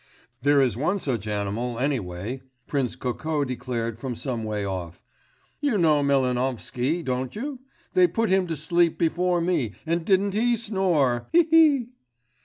'There is one such animal any way,' Prince Kokó declared from some way off. 'You know Melvanovsky, don't you? They put him to sleep before me, and didn't he snore, he, he!